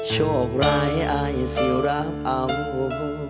โชคร้ายอายสิรับเอา